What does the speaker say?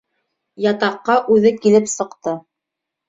Ятаҡҡа үҙе килеп сыҡты.